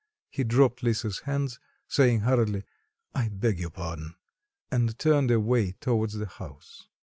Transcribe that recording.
He dropped Lisa's hands, saying hurriedly, "I beg your pardon," and turned away towards the house.